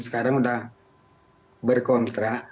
sekarang sudah berkontrak